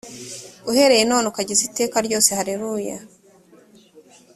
uhereye none ukageza iteka ryose haleluya